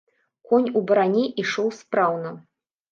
Конь у баране ішоў спраўна.